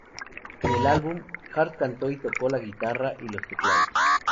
En el álbum, Hart cantó y tocó la guitarra y los teclados.